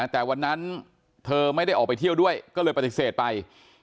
แต่วันนั้นเธอไม่ได้ออกไปเที่ยวด้วยก็เลยปฏิเสธไป